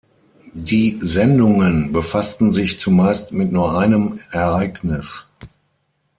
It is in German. Die Sendungen befassten sich zumeist mit nur einem Ereignis.